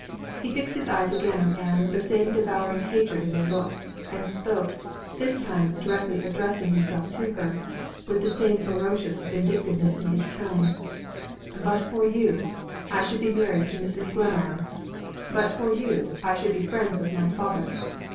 He fixed his eyes again on Anne with the same devouring hatred in their look, and spoke (this time directly addressing himself to her) with the same ferocious vindictiveness in his tone. "But for you, I should be married to Mrs. Glenarm. But for you, I should be friends with my father.